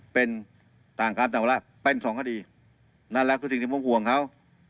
เป็นต่างครับต่างเวลาเป็นสองคดีนั่นแหละคือสิ่งที่ผมห่วงเขา